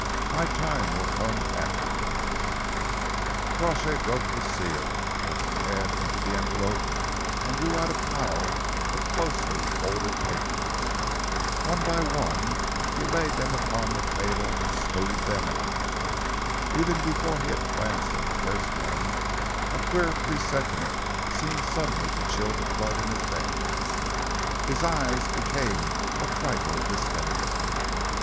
My time will come afterwards." Crawshay broke the seal, thrust his hand into the envelope and drew out a pile of closely folded papers. One by one he laid them upon the table and smoothed them out. Even before he had glanced at the first one, a queer presentiment seemed suddenly to chill the blood in his veins. His eyes became a trifle distended.